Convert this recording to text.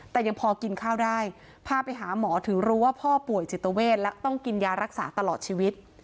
แต่ยังพอกินข้าวได้พาไปหาหมอถึงรู้ว่าพ่อป่วยจิตเวทและต้องกินยารักษาตลอดชีวิต